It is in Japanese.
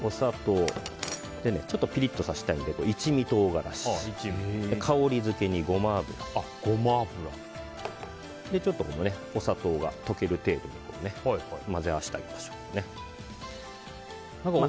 ちょっとピリッとさせたいので一味唐辛子と、香りづけにゴマ油ちょっとお砂糖が溶ける程度に混ぜ合わせてあげましょう。